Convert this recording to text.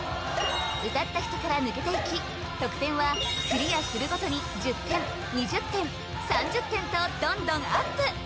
歌った人から抜けていき得点はクリアするごとに１０点２０点３０点とどんどんアップ